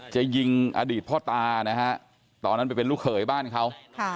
จะยิงอดีตพ่อตานะฮะตอนนั้นไปเป็นลูกเขยบ้านเขา